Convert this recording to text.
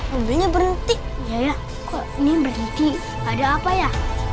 lebihnya berhenti ya kok ini berhenti ada apa ya